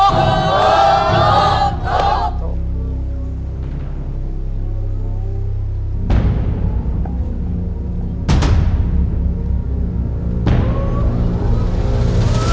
ถูก